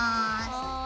はい。